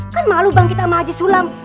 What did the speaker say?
kan malu bang kita sama haji sulam